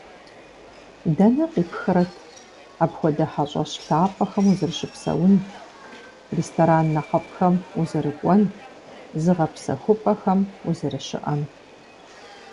Дэнэ къипхрэт апхуэдэ хьэщӀэщ лъапӀэхэм узэрыщыпсэун, ресторан нэхъыфӀхэм узэрыкӀуэн, зыгъэпсэхупӀэхэм узэрыщыӀэн?